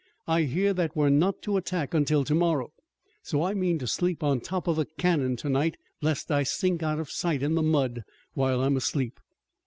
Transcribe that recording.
I hear that we're not to attack until tomorrow, so I mean to sleep on top of a cannon tonight, lest I sink out of sight in the mud while I'm asleep."